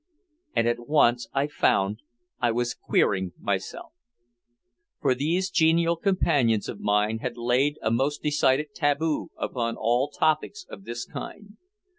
And at once I found I was "queering" myself. For these genial companions of mine had laid a most decided taboo upon all topics of this kind.